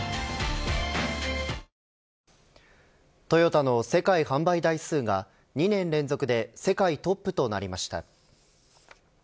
トヨタの世界販売台数が２年連続で世界トップとなりました。